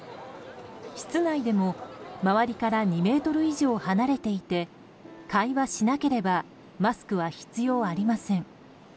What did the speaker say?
室内でも周りから２ｍ以上離れていて会話しなければマスクは必要ありません。